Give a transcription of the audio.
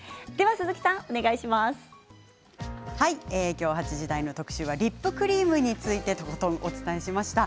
今日８時台の特集はリップクリームについてとことんお伝えしました。